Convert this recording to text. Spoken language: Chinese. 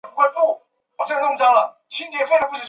其父赠为朝列大夫加中奉大夫衔。